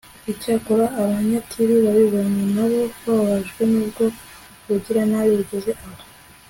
icyakora, abanyatiri babibonye na bo bababajwe n'ubwo bugiranabi bugeze aho